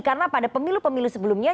karena pada pemilu pemilu sebelumnya